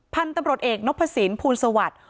ภันธ์ตำรวจเอกโน๊คพระสินภูรศาวัตร